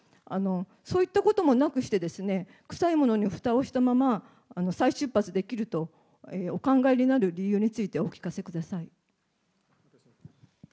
そういったこともなくして、臭いものにふたをしたまま再出発できるとお考えになる理由についてお聞かせください。